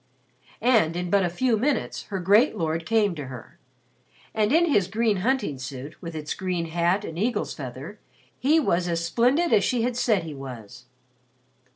And in but a few minutes her great lord came to her. And in his green hunting suit with its green hat and eagle's feather he was as splendid as she had said he was.